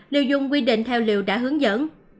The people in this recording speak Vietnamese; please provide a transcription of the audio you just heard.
liều dùng quy định theo liều đã hướng dẫn